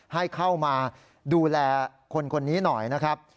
ให้เข้ามาดูแลคนคนนี้หน่อยนะครับ